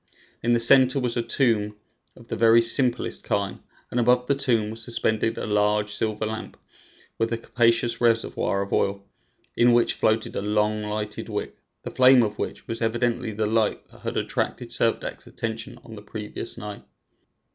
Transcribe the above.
In the center was a tomb of the very simplest kind, and above the tomb was suspended a large silver lamp with a capacious reservoir of oil, in which floated a long lighted wick, the flame of which was evidently the light that had attracted Servadac's attention on the previous night.